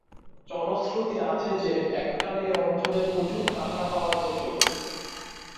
জনশ্রুতি আছে যে, এককালে এ অঞ্চলে প্রচুর কাঁকড়া পাওয়া যেত।